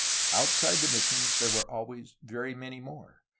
Outside the missions there were always very many more.